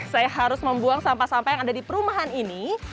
saya harus membuang sampah sampah yang ada di perumahan ini